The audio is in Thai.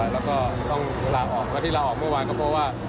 แล้วก็ต้องลาออกแล้วที่ลาออกเมื่อวานก็เพราะว่า